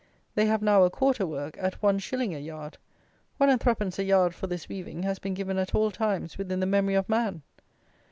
They have now a quarter work, at one shilling a yard! One and three pence a yard for this weaving has been given at all times within the memory of man!